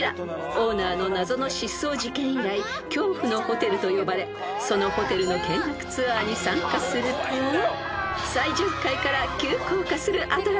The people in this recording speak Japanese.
［オーナーの謎の失踪事件以来恐怖のホテルと呼ばれそのホテルの見学ツアーに参加すると最上階から急降下するアトラクション］